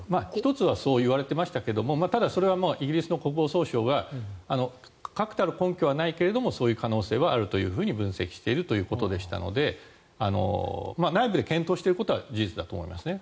１つはそういわれていましたけどそれはイギリス国防総省が確たる根拠はないけどそういう可能性があると分析しているということでしたので内部で検討していることは事実だと思いますね。